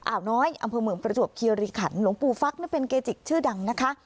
น้อยอำเภอเมืองประจวบคิริขันหลวงปู่ฟักเป็นเกจิกชื่อดังนะคะ